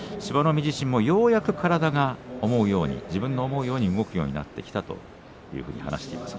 海自身もようやく体が自分の思うように動くようになってきたというふうに話しています。